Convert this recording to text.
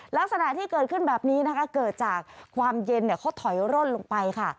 ลักษณะที่เกิดขึ้นแบบนี้นะคะเกิดจากความเย็นเขาถอยร่นลงไปค่ะ